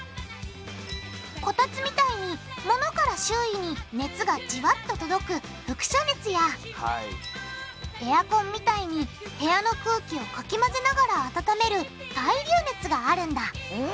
こたつみたいにものから周囲に熱がじわっと届く「輻射熱」やエアコンみたいに部屋の空気をかきまぜながら温める「対流熱」があるんだ。